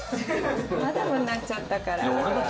マダムになっちゃったから。